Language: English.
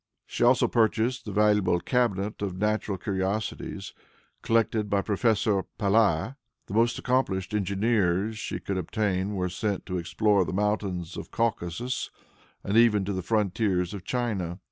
She also purchased the valuable cabinet of natural curiosities collected by Professor Pallas. The most accomplished engineers she could obtain were sent to explore the mountains of Caucasus, and even to the frontiers of China.